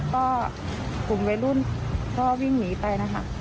สักพักกลุ่มวัยรุ่นก็วิ่งหนีไปนะครับ